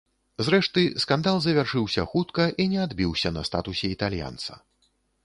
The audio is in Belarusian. Зрэшты скандал завяршыўся хутка і не адбіўся на статусе італьянца.